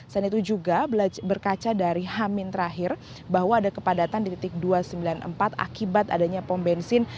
selain itu juga berkaca dari hamin terakhir bahwa ada kepadatan di titik dua ratus sembilan puluh empat akibat adanya pom bensin